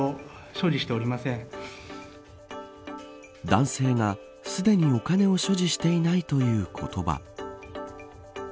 男性が、すでにお金を所持していないという言葉。